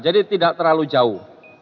jadi tidak terlalu jauh